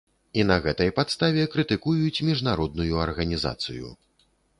І на гэтай падставе крытыкуюць міжнародную арганізацыю!